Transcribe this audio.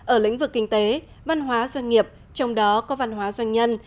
ở lĩnh vực kinh tế văn hóa doanh nghiệp trong đó có văn hóa doanh nhân